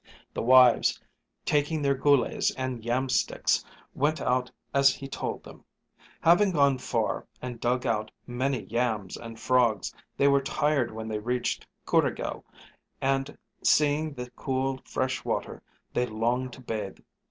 The wives, taking their goolays and yam sticks, went out as he told them. Having gone far, and dug out many yams and frogs, they were tired when they reached Coorigel, and, seeing the cool, fresh water, they longed to bathe.